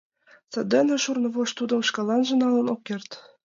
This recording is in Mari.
Сандене шурно вож тудым шкаланже налын ок керт.